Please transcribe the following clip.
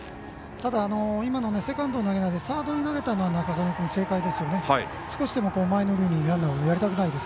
ただ今のセカンドに投げずサードに投げたのは仲宗根君、正解です。